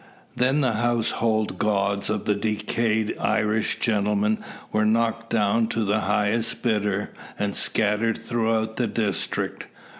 Then the household gods of the decayed Irish gentleman were knocked down to the highest bidder, and scattered throughout the district.